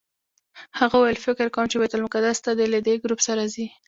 هغه وویل فکر کوم چې بیت المقدس ته له دې ګروپ سره ځئ.